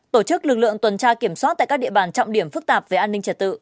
tổ chức lực lượng tuần tra kiểm soát tại các địa bàn trọng điểm phức tạp về an ninh trật tự